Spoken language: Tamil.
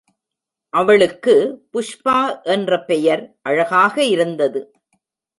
அவளுக்கு புஷ்பா என்ற பெயர் அழகாக இருந்தது.